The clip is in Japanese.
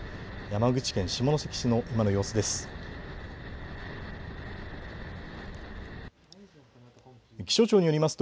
山口県下関市の今の様子です。